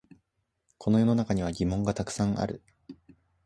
この世の中には疑問がたくさんある